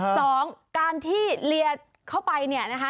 สองการที่เลียเข้าไปเนี่ยนะคะ